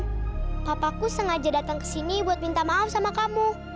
kenapa aku sengaja datang ke sini buat minta maaf sama kamu